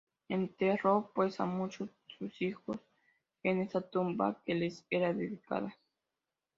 Enterró pues a muchos sus hijos en esta tumba que les era dedicada.